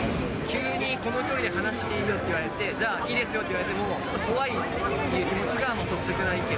急にこの距離で話していいですよって言われて、じゃあいいですよって言われても、ちょっと怖いなっていう気持ちが率直な意見